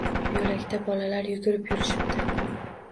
Yo`lakda bolalar yugurib yurishibdi